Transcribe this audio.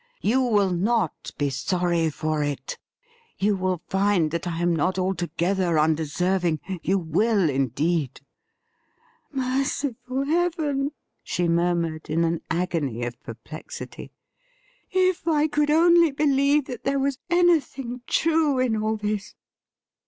You will not be sorry for it ; you will find that I am not alto gether undeserving — you will indeed.' ' Merciful Heaven !' she murmured in an agony of per 222 THE RIDDLE RING plexity. ' If I could only believe that there was anything true in all this